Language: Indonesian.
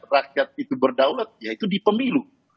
rakyat itu berdaulat yaitu di pemilu